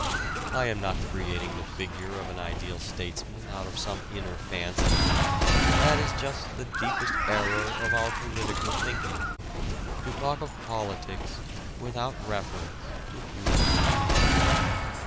I am not creating the figure of an ideal statesman out of some inner fancy. That is just the deepest error of our political thinking to talk of politics without reference to human beings.